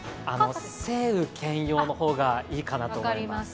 晴雨兼用の方がいいかなと思います。